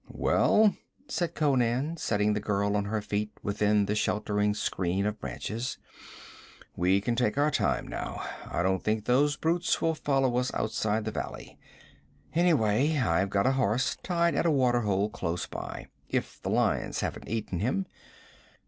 'Well,' said Conan, setting the girl on her feet within the sheltering screen of branches, 'we can take our time now. I don't think those brutes will follow us outside the valley. Anyway, I've got a horse tied at a water hole close by, if the lions haven't eaten him.